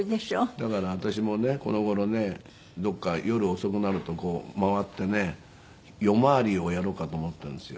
だから私もねこの頃ねどこか夜遅くなると回ってね夜回りをやろうかと思ってるんですよ